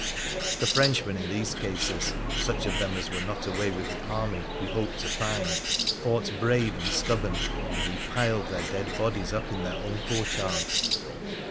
The Frenchmen in these cases, such of them as were not away with the army we hoped to find, fought brave and stub born, and we piled their dead bodies up in their own court yards.